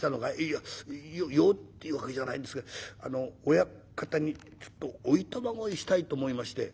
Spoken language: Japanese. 「いや用っていう訳じゃないんですがあの親方にちょっとお暇乞いしたいと思いまして」。